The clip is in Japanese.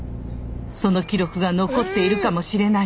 その記録が残っているかもしれない。